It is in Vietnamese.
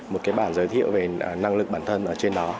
một cái bản giới thiệu về năng lực bản thân ở trên đó